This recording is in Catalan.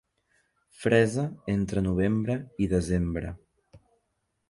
Fresa entre novembre i desembre.